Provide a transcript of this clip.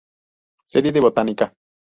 Serie de Botánica.